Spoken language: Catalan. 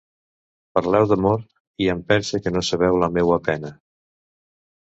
Parleu d'amor, i em pense que no sabeu la meua pena.